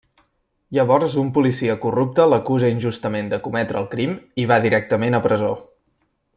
Llavors un policia corrupte l'acusa injustament de cometre el crim i va directament a presó.